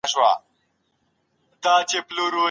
نوی نسل بايد د حقايقو په لټه کي وي.